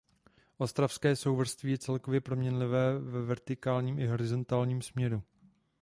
Ostravské souvrství je celkově proměnlivé ve vertikálním i horizontálním směru.